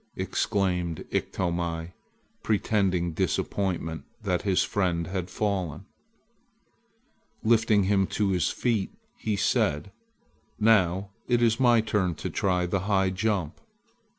exclaimed Iktomi, pretending disappointment that his friend had fallen. Lifting him to his feet, he said: "Now it is my turn to try the high jump!"